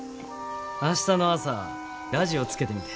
明日の朝ラジオつけてみて。